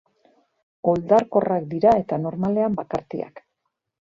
Oldarkorrak dira eta normalean bakartiak.